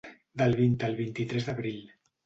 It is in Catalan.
Del vint al vint-i-tres d’abril.